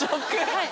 はい。